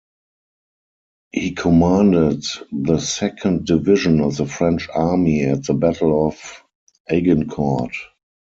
He commanded the second division of the French army at the Battle of Agincourt.